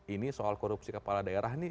ini soal korupsi kepala daerah nih